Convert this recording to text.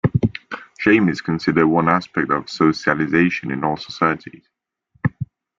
Shame is considered one aspect of socialization in all societies.